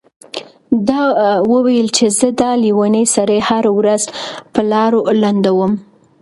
ده وويل چې زه دا لېونی سړی هره ورځ په لاړو لندوم.